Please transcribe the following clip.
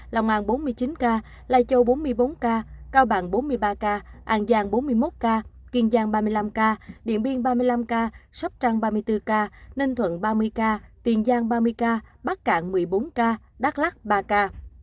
ca bình dương sáu mươi bốn ca quảng trị năm mươi tám ca hà tĩnh bốn mươi chín ca lòng an bốn mươi chín ca lai châu bốn mươi bốn ca cao bằng bốn mươi ba ca an giang bốn mươi một ca kiên giang ba mươi năm ca điện biên ba mươi năm ca sóc trăng ba mươi bốn ca ninh thuận ba mươi ca tiền giang ba mươi ca bắc cạn một mươi bốn ca đắk lắc ba ca